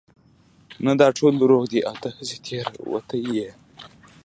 نه دا ټول دروغ دي او ته هسې تېروتي يې